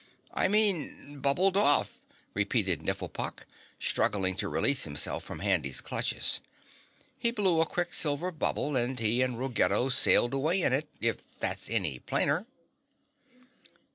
"I mean, bubbled off," repeated Nifflepok, struggling to release himself from Handy's clutches. "He blew a quicksilver bubble and he and Ruggedo sailed away in it, if that's any plainer."